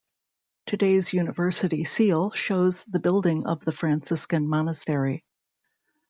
Today's University seal shows the building of the Franciscan Monastery.